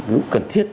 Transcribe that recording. lúc cần thiết